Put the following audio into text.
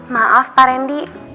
maaf pak rendy